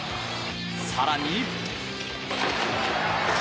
更に。